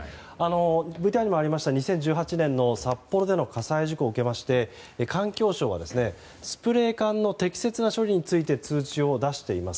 ＶＴＲにもありました札幌での火災事故を受けて環境省はスプレー缶の適切な処理について通知を出しています。